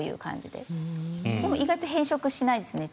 でも意外と変色しないですね。